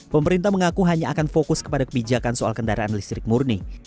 pemerintah mengaku hanya akan fokus kepada kebijakan soal kendaraan listrik murni